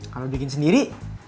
kalo bikin sendiri